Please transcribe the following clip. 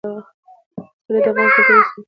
پسرلی د افغان کلتور په داستانونو کې راځي.